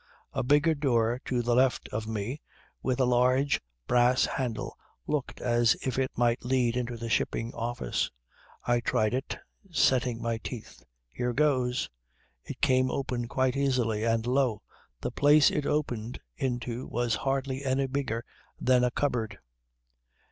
A bigger door to the left of me, with a large brass handle looked as if it might lead into the Shipping Office. I tried it, setting my teeth. "Here goes!" "It came open quite easily. And lo! the place it opened into was hardly any bigger than a cupboard.